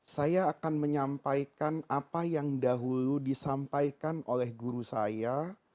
saya akan menyampaikan apa yang dahulu disampaikan oleh guru saya